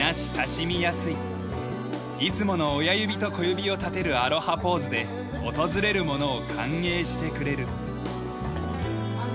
いつもの親指と小指を立てるアロハポーズで訪れる者を歓迎してくれる。